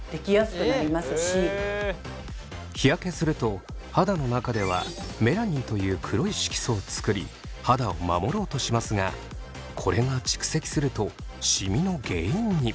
日焼けすると肌の中ではメラニンという黒い色素を作り肌を守ろうとしますがこれが蓄積するとシミの原因に。